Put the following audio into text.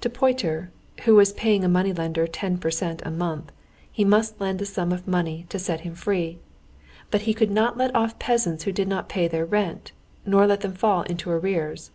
To Pyotr, who was paying a money lender ten per cent. a month, he must lend a sum of money to set him free. But he could not let off peasants who did not pay their rent, nor let them fall into arrears.